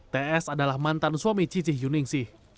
ts adalah mantan suami cicih yuningsih